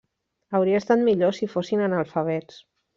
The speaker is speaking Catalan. Hauria estat millor si fossin analfabets.